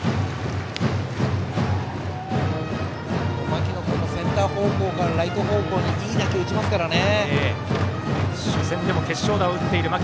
牧野君もセンター方向からライト方向にいい打球を打ちますからね。